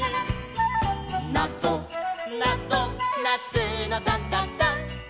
「なぞなぞなつのサンタさん」